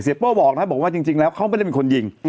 โป้บอกนะบอกว่าจริงแล้วเขาไม่ได้เป็นคนยิง